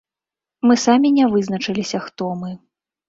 Мы самі не вызначыліся, хто мы.